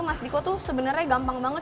mas diko tuh sebenarnya gampang banget